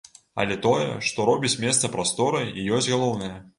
Але тое, што робіць месца прасторай, і ёсць галоўнае.